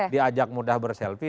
diajak mudah berselfie